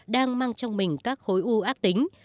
đang mang trong mình các khối u ác tính